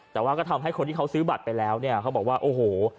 แต่ว่าก็ทำให้คนที่เขาซื้อบัตรไปแล้วเนี่ยเขาบอกว่าโอ้โห